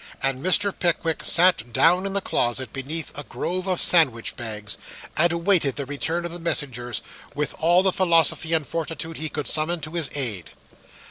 And Mr. Pickwick sat down in the closet, beneath a grove of sandwich bags, and awaited the return of the messengers, with all the philosophy and fortitude he could summon to his aid.